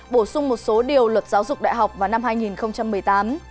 bổ sung một số điều luật giáo dục đại học vào năm hai nghìn một mươi tám